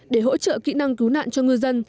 để hỗ trợ kỹ năng cứu nạn cho ngư dân